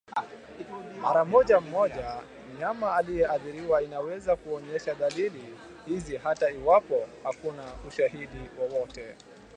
Mara moja moja mnyama aliyeathiriwa anaweza kuonyesha dalili hizi hata iwapo hakuna ushahidi wowote